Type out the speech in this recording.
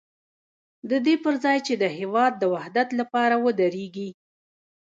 د دې پر ځای چې د هېواد د وحدت لپاره ودرېږي.